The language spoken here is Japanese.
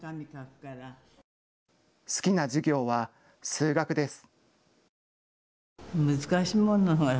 好きな授業は数学です。